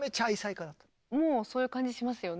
もうそういう感じしますよね。